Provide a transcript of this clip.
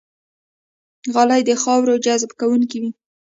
غالۍ د خاورو جذب کوونکې وي.